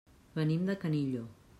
Venim de Canillo.